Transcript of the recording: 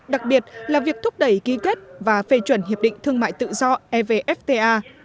đặc biệt là việc thúc đẩy ký kết và phê chuẩn hiệp định thương mại tự do evfta